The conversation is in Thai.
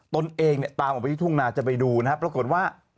ตนเองเนี่ยตามออกไปที่ทุ่งนาจะไปดูนะครับปรากฏว่า